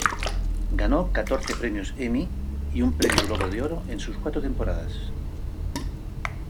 Ganó catorce Premios Emmy y un Premio Globo de Oro en sus cuatro temporadas.